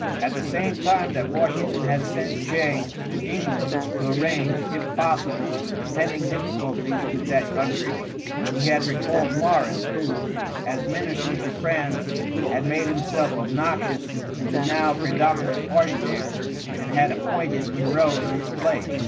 At the same time that Washington had sent Jay to England, to arrange, if possible, the pending difficulties with that country; he had recalled Morris who, as Minister to France, had made himself obnoxious to the now predominent party there, and had appointed Monroe in his place.